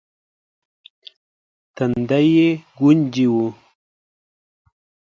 تندی يې ګونجې و.